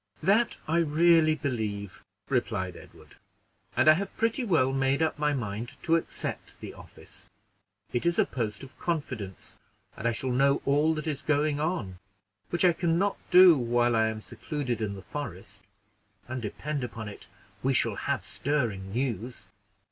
"That I really believe," replied Edward; "and I have pretty well made up my mind to accept the office. It is a post of confidence, and I shall know all that is going on, which I can not do while I am secluded in the forest; and, depend upon it, we shall have stirring news."